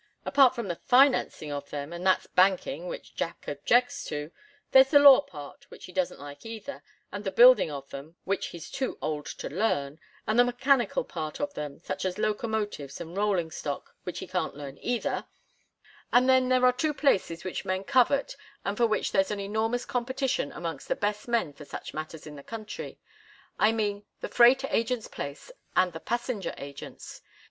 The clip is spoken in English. Apart from the financing of them and that's banking, which Jack objects to there's the law part, which he doesn't like either, and the building of them, which he's too old to learn, and the mechanical part of them, such as locomotives and rolling stock, which he can't learn either and then there are two places which men covet and for which there's an enormous competition amongst the best men for such matters in the country I mean the freight agent's place and the passenger agent's.